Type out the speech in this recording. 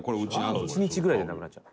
トシ：１日ぐらいでなくなっちゃう。